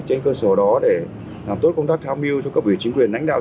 trên cơ sở đó để làm tốt công tác tháo mưu cho cấp ủy chính quyền đánh đạo